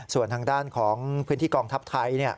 ส่วนทางด้านของพื้นที่กองทัพไทย